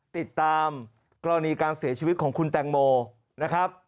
ติดตามกรณีการเสียชีวิตของคุณแตงโมนะครับ